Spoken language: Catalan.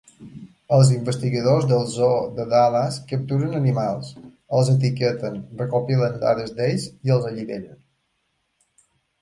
Els investigadors del zoo de Dallas capturen animals, els etiqueten, recopilen dades d'ells i els alliberen.